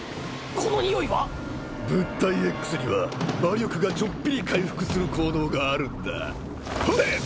このニオイは物体Ｘには魔力がちょっぴり回復する効能があるんだほれ！